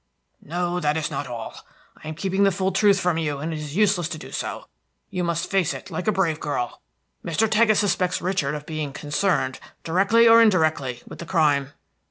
"No, that is not all. I am keeping the full truth from you, and it is useless to do so. You must face it like a brave girl. Mr. Taggett suspects Richard of being concerned, directly or indirectly, with the crime."